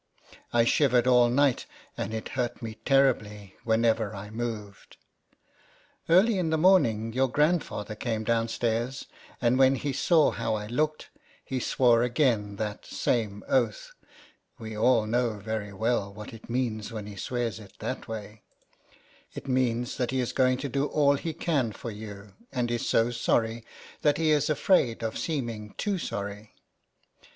I shivered all night, and it hurt me terribly whenever I moved. Early in the morning your grand 74 LETTERS FROM A CAT. father came downstairs, and when he saw how I looked, he swore again, that same oath : we all know very well what it means when he swears in that way: it means that he is going to do all he can for you, and is so sorry, that he is afraid of seeming too sorry.